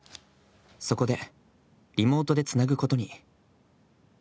そこで、リモートでつなぐことに。